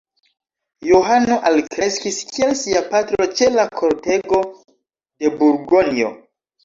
Johano alkreskis kiel sia patro ĉe la kortego de Burgonjo.